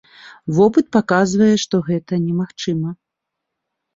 Вопыт паказвае, што гэта немагчыма.